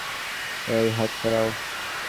এই, হাত সরাও।